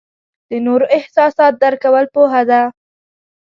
د نورو احساسات درک کول پوهه ده.